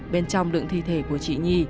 bên trong lượng thi thể của chị n